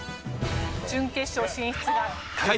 準決勝進出が確定。